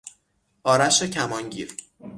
آرش کمانگیر